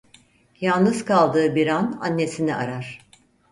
Yalnız kaldığı bir an annesini arar.